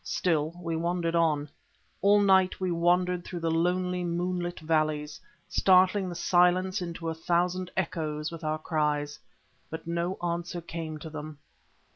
Still we wandered on. All night we wandered through the lonely moonlit valleys, startling the silence into a thousand echoes with our cries. But no answer came to them.